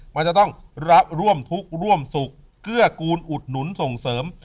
มันจะต้องรับร่วมทุกข์ร่วมสุขเกื้อกูลอุดหนุนส่งเสริม